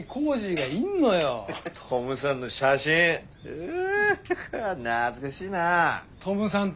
うん。